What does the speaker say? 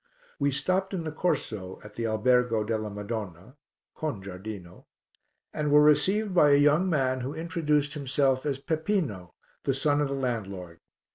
We stopped in the corso at the Albergo della Madonna (con giardino) and were received by a young man who introduced himself as Peppino, the son of the landlord.